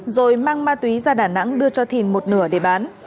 rồi mang ma túy ra đà nẵng đưa cho thìn một nửa để bán